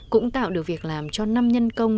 cũng tạo được việc làm cho năm nhân công